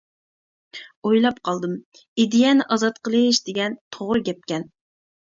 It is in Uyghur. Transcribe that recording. ئويلاپ قالدىم: ئىدىيەنى ئازاد قىلىش دېگەن توغرا گەپكەن.